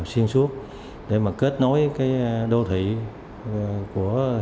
xuyên suốt để kết nối đô thị của thành phố